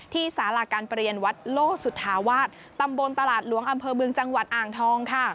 สาราการเปลี่ยนวัดโลสุธาวาสตำบลตลาดหลวงอำเภอเมืองจังหวัดอ่างทองค่ะ